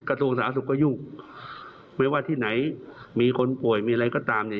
กระทรวงสาธารณสุขก็ยุ่งไม่ว่าที่ไหนมีคนป่วยมีอะไรก็ตามเนี่ย